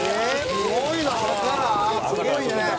すごいね！」